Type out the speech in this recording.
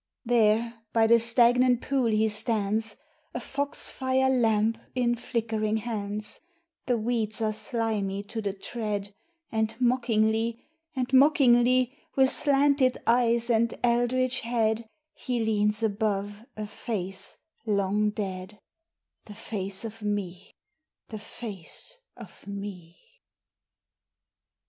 IV. There by the stagnant pool he stands, A fox fire lamp in flickering hands; The weeds are slimy to the tread, And mockingly, and mockingly, With slanted eyes and eldritch head He leans above a face long dead, The face of me! the face of me!